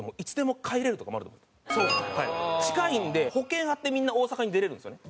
近いんで保険張ってみんな大阪に出れるんですよね。